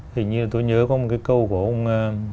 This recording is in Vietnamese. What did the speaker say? hình như tôi nhớ có một cái câu của ông